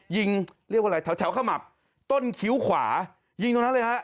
เรียกว่าอะไรแถวขมับต้นคิ้วขวายิงตรงนั้นเลยฮะ